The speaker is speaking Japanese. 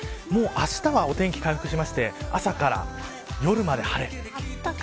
あしたはお天気回復しまして朝から夜まで晴れ。